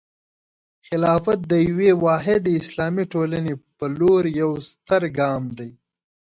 خلافت د یوې واحدې اسلامي ټولنې په لور یوه ستره ګام دی.